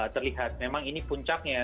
terlihat memang ini puncaknya